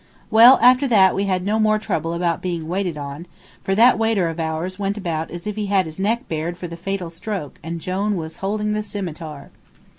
Well, after that we had no more trouble about being waited on, for that waiter of ours went about as if he had his neck bared for the fatal stroke and Jone was holding the cimeter.